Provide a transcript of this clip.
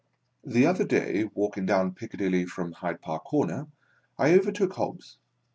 The other day, walking down Piccadilly from Hyde Park Corner, I overtook Hobbs.